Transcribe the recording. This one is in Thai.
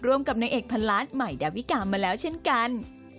รวมกับนักเอกพันล้านหมายดาวิกามมาแล้วเช่นกัน